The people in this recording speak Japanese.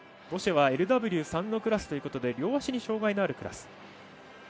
ボシェはＬＷ３のクラスということで両足に障がいのあるクラス。